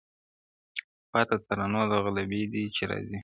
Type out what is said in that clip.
پاتا د ترانو ده غلبلې دي چي راځي-